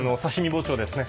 包丁ですね。